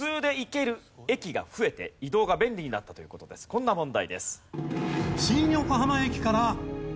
こんな問題です。